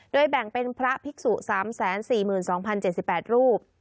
แบ่งเป็นพระภิกษุ๓๔๒๐๗๘รูป